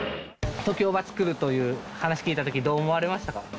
ＴＯＫＩＯーＢＡ作るという話聞いたとき、どう思われましたか？